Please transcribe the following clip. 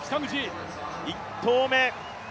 １投目。